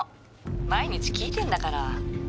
毎日聞いてんだから。